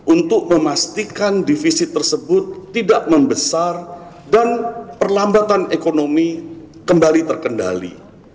untuk memastikan divisi tersebut tidak membesar dan perlambatan ekonomi kembali terkendali